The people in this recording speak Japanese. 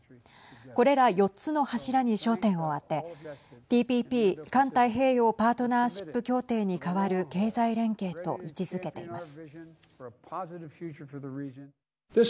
これら４つの柱に焦点を当てＴＰＰ＝環太平洋パートナーシップ協定にかわる経済連携と位置づけています。